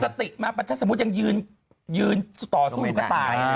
เป็นสตินะฮะถ้าสมมุติยังยืนยืนต่อสู้หลวงพ่อโกยก็ตาย